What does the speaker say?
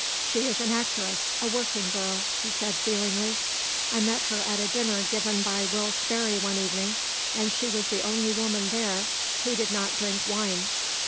"She is an actress, a working girl," he said feelingly. "I met her at a dinner given by Will Sperry one evening and she was the only woman there who did not drink wine.